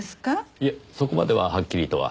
いえそこまでははっきりとは。